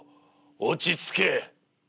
落ち着け。